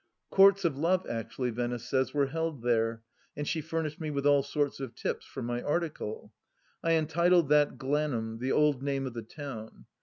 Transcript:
Courts 66 THE LAST DITCH of Love, actually, Venice says, were held there, and she furnished me with all sorts of tips for my article. I entitled that Glanum, the old name of the town.